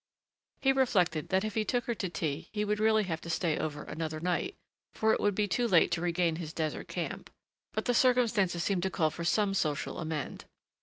He reflected that if he took her to tea he would really have to stay over another night, for it would be too late to regain his desert camp. But the circumstances seemed to call for some social amend....